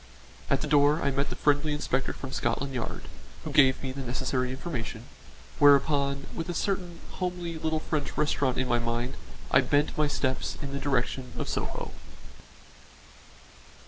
At the door I met the friendly inspector from Scotland Yard, who gave me the necessary information, whereupon with a certain homely little French restaurant in my mind I bent my steps in the direction of Soho.